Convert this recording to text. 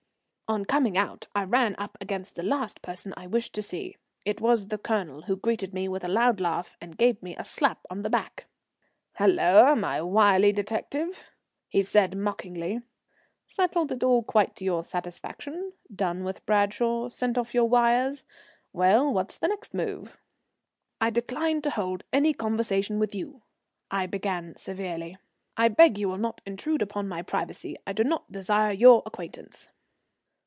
On coming out I ran up against the last person I wished to see. It was the Colonel, who greeted me with a loud laugh, and gave me a slap on the back. "Halloa, my wily detective," he said mockingly; "settled it all quite to your satisfaction? Done with Bradshaw sent off your wires? Well, what's the next move?" "I decline to hold any conversation with you," I began severely. "I beg you will not intrude upon my privacy. I do not desire your acquaintance."